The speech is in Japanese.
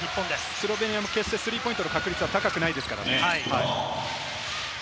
スロベニアも決してスリーポイントの確率は高くないですからね。